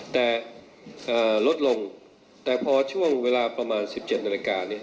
แต่ลดลงแต่พอช่วงเวลาประมาณ๑๗นาฬิกาเนี่ย